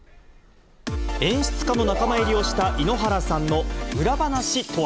演出家の仲間入りをした井ノ原さんの裏話とは。